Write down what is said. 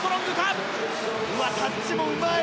タッチもうまい！